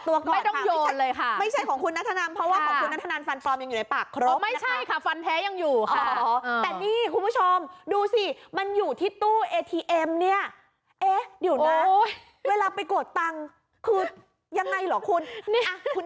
เวลาไปกรดปังคือยังไงหรอคุณ